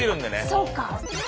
そうか！